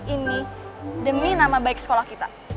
ini demi nama baik sekolah kita